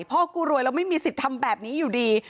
พ่อกูรวยแล้วไม่มีสิทธิ์ทำแบบนี้อยู่ดี